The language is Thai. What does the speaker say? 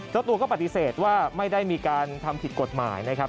เจ้าตัวก็ปฏิเสธว่าไม่ได้มีการทำผิดกฎหมายนะครับ